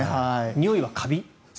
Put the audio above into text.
においはカビ？